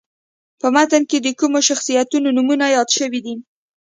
په متن کې د کومو شخصیتونو نومونه یاد شوي دي.